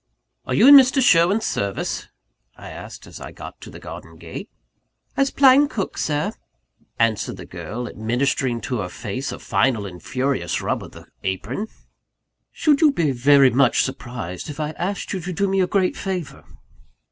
"Are you in Mr. Sherwin's service?" I asked, as I got to the garden gate. "As plain cook, Sir," answered the girl, administering to her face a final and furious rub of the apron. "Should you be very much surprised if I asked you to do me a great favour?"